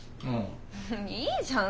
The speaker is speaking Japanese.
いいじゃん